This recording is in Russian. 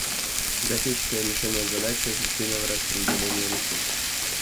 Графическое решение задачи эффективного распределения ресурсов